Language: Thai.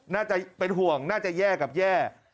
น่าจะเป็นห่วงน่าจะแย่กับแย่